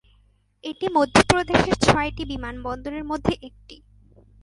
এটি মধ্যপ্রদেশের ছয়টি বিমানবন্দরের মধ্যে একটি।